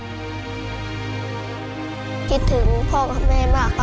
คิดถึงพ่อกับแม่มากค่ะ